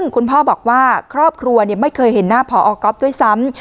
คุณพ่อบอกว่าครอบครัวไม่เคยเห็นหน้าพอก๊อฟด้วยซ้ำ